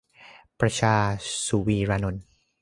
- ประชา สุวีรานนท์